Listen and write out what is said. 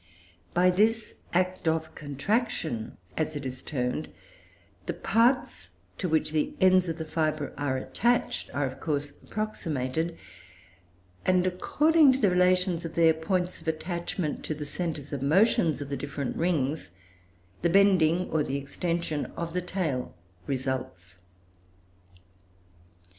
By this act of contraction, as it is termed, the parts to which the ends of the fibre are attached are, of course, approximated; and according to the relations of their points of attachment to the centres of motions of the different rings, the bending or the extension of the tail results.